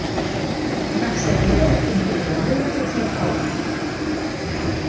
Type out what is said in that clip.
Naħseb li b'hekk inkunu għamilna titjib qawwi.